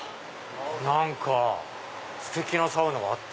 何かステキなサウナがあって。